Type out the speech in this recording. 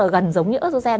gần giống như ớt dô xen